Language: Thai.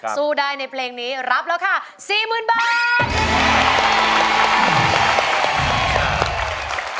สู้ได้ในเพลงนี้รับแล้วค่ะ๔๐๐๐บาท